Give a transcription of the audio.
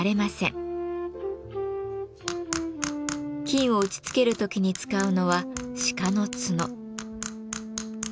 金を打ちつける時に使うのは鹿の角。